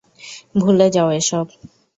ভুলে যাও এসব।